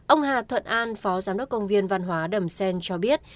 ông hà thuận an phó giám đốc công viên văn hóa đầm xen cho biết